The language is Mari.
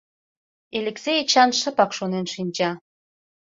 Элексей Эчан шыпак шонен шинча.